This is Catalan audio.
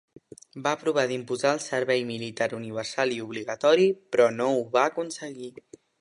Va provar d'imposar el servei militar universal i obligatori però no ho va aconseguir.